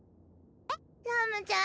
ラムちゃん？